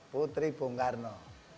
putri bung karno